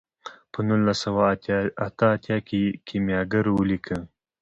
په نولس سوه اته اتیا کې یې کیمیاګر ولیکه.